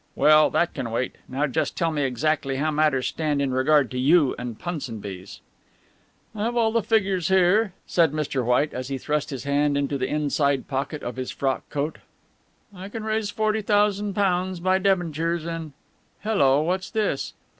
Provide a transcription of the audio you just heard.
"Well, that can wait. Now just tell me exactly how matters stand in regard to you and Punsonby's." "I have all the figures here," said Mr. White, as he thrust his hand into the inside pocket of his frock coat, "I can raise £40,000 by debentures and hello, what's this?"